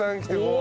「お！」